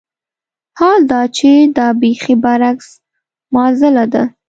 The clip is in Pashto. حال دا چې دا بېخي برعکس معاضله ده.